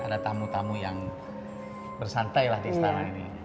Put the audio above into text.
ada tamu tamu yang bersantai lah di istana ini